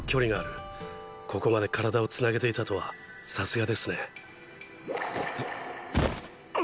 ここまで体を繋げていたとはさすがですね。っ。